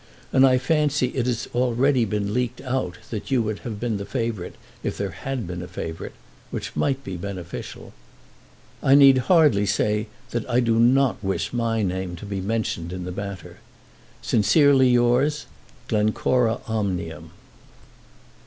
And I fancy it has already leaked out that you would have been the favourite if there had been a favourite; which might be beneficial. I need hardly say that I do not wish my name to be mentioned in the matter. Sincerely yours, GLENCORA OMNIUM.